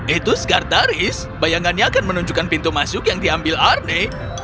itu skartaris bayangannya akan menunjukkan pintu masuk yang diambil arne